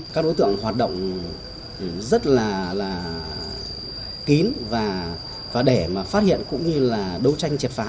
các đối tượng hoạt động rất là kín và để mà phát hiện cũng như là đấu tranh triệt phá